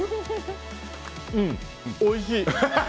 うん、おいしい。